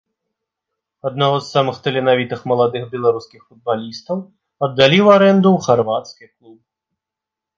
Аднаго з самых таленавітых маладых беларускіх футбалістаў аддалі ў арэнду ў харвацкі клуб.